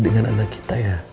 dengan anak kita ya